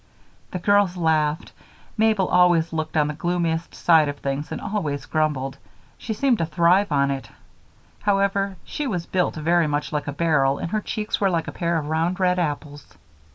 The girls laughed. Mabel always looked on the gloomiest side of things and always grumbled. She seemed to thrive on it, however, for she was built very much like a barrel and her cheeks were like a pair of round red apples.